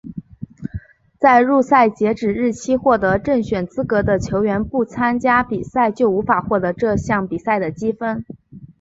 在入赛截止日期获得正选资格的球员不参加比赛就无法获得这项比赛的积分。